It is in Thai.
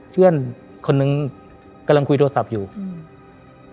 เพื่อนคนนึงกำลังคุยโทรศัพท์อยู่อืม